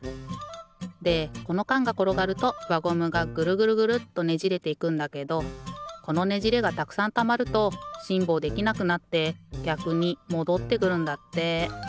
でこのかんがころがるとわゴムがぐるぐるぐるっとねじれていくんだけどこのねじれがたくさんたまるとしんぼうできなくなってぎゃくにもどってくるんだって。